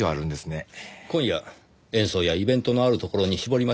今夜演奏やイベントのあるところに絞りましょう。